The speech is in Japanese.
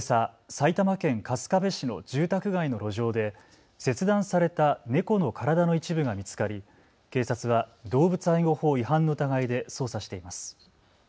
埼玉県春日部市の住宅街の路上で切断された猫の体の一部が見つかり警察は動物愛護法違反の疑いで捜査しています。